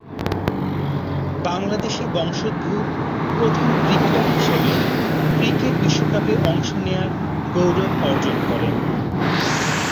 বাংলাদেশী বংশোদ্ভূত প্রথম ক্রিকেটার হিসেবে ক্রিকেট বিশ্বকাপে অংশ নেয়ার গৌরব অর্জন করেন।